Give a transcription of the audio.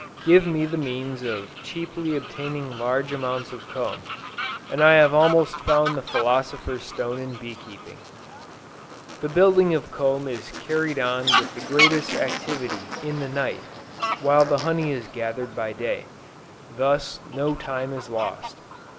Give me the means of cheaply obtaining large amounts of comb, and I have almost found the philosopher's stone in bee keeping. The building of comb is carried on with the greatest activity in the night, while the honey is gathered by day. Thus no time is lost.